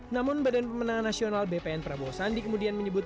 namun badan pemenang nasional bpn prabowo sandi kemudian menyebut